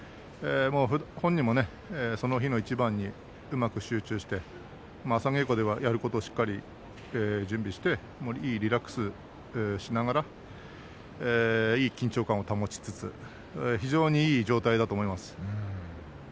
本人もね、その日の一番にうまく集中して朝稽古でやることをしっかり準備していいリラックスしながらいい緊張感を保ちつつ非常にいい状態だと思います。